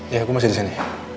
iya gue masih disini